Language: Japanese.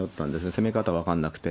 攻め方分かんなくて。